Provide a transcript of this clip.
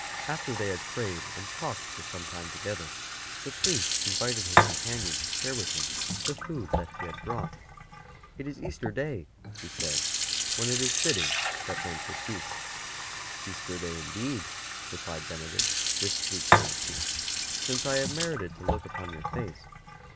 After they had prayed and talked for some time together, the priest invited his companion to share with him the food that he had brought. '' It is Easter Day,'' he said, '* when it is fitting that men should feast." " Easter Day indeed," replied Benedict with sweet courtesy, " since I have merited to look upon your face."